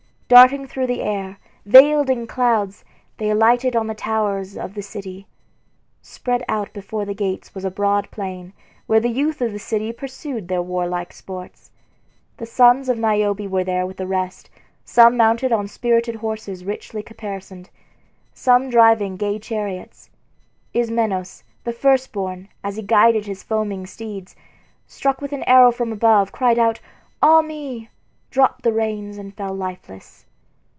Darting through the air, veiled in clouds, they alighted on the towers of the city. Spread out before the gates was a broad plain, where the youth of the city pursued their warlike sports. The sons of Niobe were there with the rest, some mounted on spirited horses richly caparisoned, some driving gay chariots. Ismenos, the first born, as he guided his foaming steeds, struck with an arrow from above, cried out, "Ah me!" dropped the reins, and fell lifeless.